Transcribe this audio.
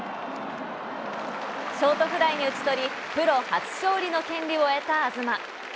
ショートフライに打ち取り、プロ初勝利の権利を得た東。